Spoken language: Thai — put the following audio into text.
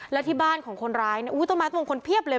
และที่บ้านของคนร้ายต้นไม้มงคลเพียบเลย